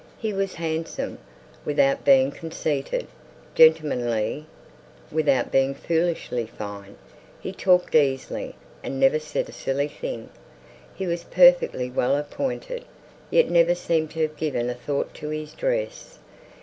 He was handsome, without being conceited; gentlemanly, without being foolishly fine. He talked easily, and never said a silly thing. He was perfectly well appointed, yet never seemed to have given a thought to his dress.